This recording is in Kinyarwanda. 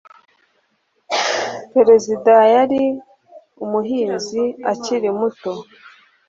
Perezida yari umuhinzi akiri muto